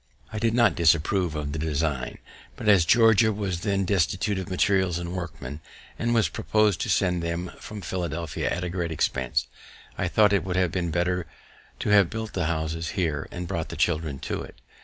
I did not disapprove of the design, but, as Georgia was then destitute of materials and workmen, and it was proposed to send them from Philadelphia at a great expense, I thought it would have been better to have built the house here, and brought the children to it.